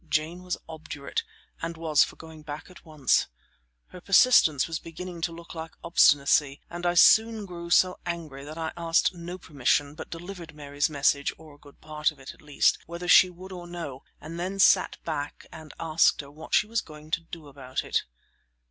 Jane was obdurate, and was for going back at once. Her persistence was beginning to look like obstinacy, and I soon grew so angry that I asked no permission, but delivered Mary's message, or a good part of it, at least, whether she would or no, and then sat back and asked her what she was going to do about it.